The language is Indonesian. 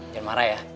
jangan marah ya